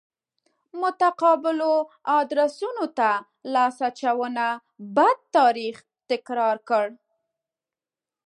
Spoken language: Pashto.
متقابلو ادرسونو ته لاس اچونه بد تاریخ تکرار کړ.